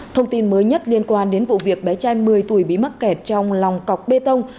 thông tin mới nhất liên quan đến vụ việc bé trai một mươi tuổi bị mắc kẹt trong lòng cọc bê tông